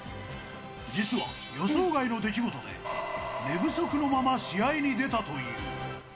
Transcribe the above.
実は、予想外の出来事で、寝不足のまま試合に出たという。